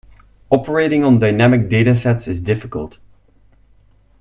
Operating on dynamic data sets is difficult.